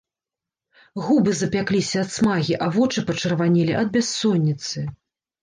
Губы запякліся ад смагі, а вочы пачырванелі ад бяссонніцы.